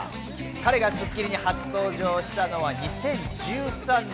彼が『スッキリ』に初登場したのは２０１３年。